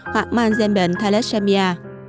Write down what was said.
hoặc mang gen bệnh thalesamia